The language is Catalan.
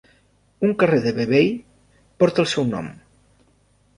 Un carrer de Vevey porta el seu nom.